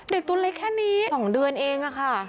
ตัวเล็กแค่นี้๒เดือนเองค่ะ